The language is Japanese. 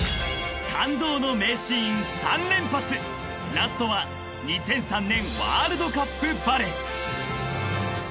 ［ラストは２００３年ワールドカップバレー］